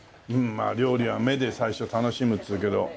料理は目で最初楽しむっつうけどホントだね。